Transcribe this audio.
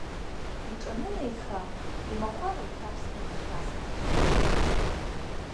Иҿанынаиха, имахәар лҭарсны дхьасырԥшит.